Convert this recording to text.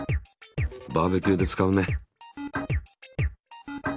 バーベキューで使うね。